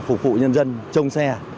phục vụ nhân dân trông xe